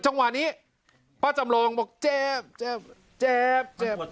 จังหวะนี้ป้าจำลองบอกเจ็บเจ็บเจ็บเจ็บ